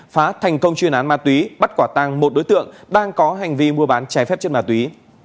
phá thành công chuyên án ma túy bắt quả tăng một đối tượng đang có hành vi mua bán trái phép chất ma túy